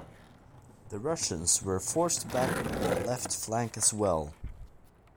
The Russians were forced back on the left flank as well.